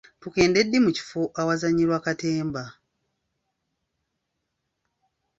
Tugenda ddi mu kifo ewazannyirwa katemba?